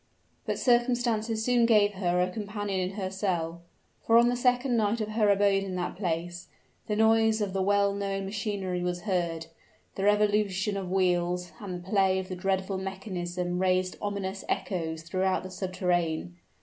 But circumstances soon gave her a companion in her cell. For, on the second night of her abode in that place, the noise of the well known machinery was heard; the revolution of wheels and the play of the dreadful mechanism raised ominous echoes throughout the subterrane.